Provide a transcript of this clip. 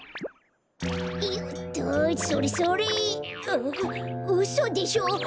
あっうそでしょ？